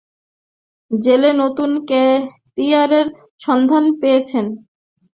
জেলে নতুন ক্যারিয়ারের সন্ধান পেয়েছেন ব্রাজিলের সাবেক প্রেসিডেন্ট লুলা ডি সিলভা।